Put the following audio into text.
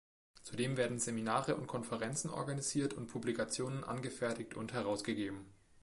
Zudem werden Seminare und Konferenzen organisiert und Publikationen angefertigt und herausgegeben.